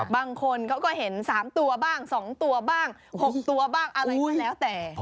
บางคนเขาก็เห็น๓ตัวบ้าง๒ตัวบ้าง๖ตัวบ้างอะไรก็แล้วแต่